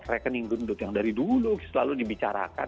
rekening gendut yang dari dulu selalu dibicarakan